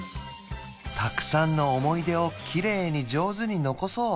たくさんの思い出をきれいに上手に残そう